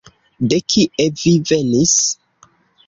De kie vi venis?